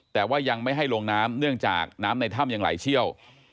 แต่ว่ายังไม่ให้ลงน้ำเนื่องจากน้ำในถ้ำยังไหลเชี่ยว